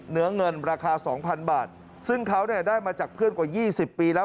เนื้อเงินราคา๒๐๐บาทซึ่งเขาเนี่ยได้มาจากเพื่อนกว่า๒๐ปีแล้ว